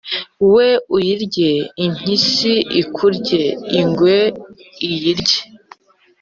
we uyirye, impyisi ikurye, ingwe iyirye